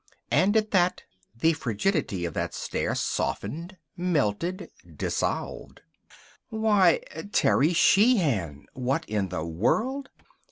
And at that the frigidity of that stare softened, melted, dissolved. "Why, Terry Sheehan! What in the world!"